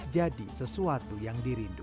jadi sesuatu yang dirindu